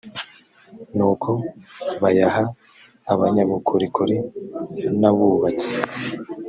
nuko bayaha abanyabukorikori n abubatsi